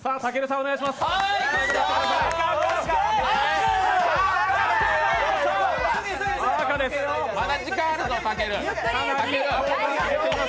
お願いします。